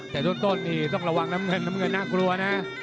แต่ต้นนี่ต้องระวังน้ำเงินน้ำเงินน่ากลัวนะ